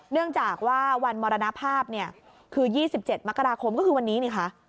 เนื่องจากว่าวันมรณภาพเนี่ยคือ๒๗มกราคมก็คือวันนี้นี่คะ